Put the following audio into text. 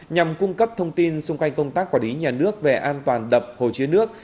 nhằm cung cấp thông tin xung quanh công tác quản lý nhà nước về an toàn đập hồ chứa nước